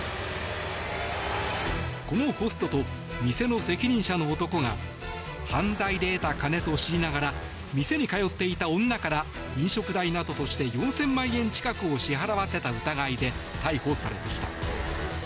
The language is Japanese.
このホストと店の責任者の男が犯罪で得た金と知りながら店に通っていた女から飲食代などとして４０００万円近くを支払わせた疑いで逮捕されました。